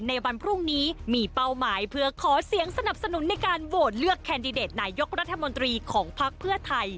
ในวันพรุ่งนี้มีเป้าหมายเพื่อขอเสียงสนับสนุนในการโหวตเลือกแคนดิเดตนายกรัฐมนตรีของภักดิ์เพื่อไทย